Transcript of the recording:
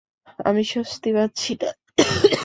আমি স্বস্তি পাচ্ছি না।